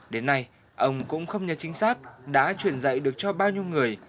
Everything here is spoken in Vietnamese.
đến nay ông cũng không nhớ chính xác đã truyền dạy được cho bao nhiêu người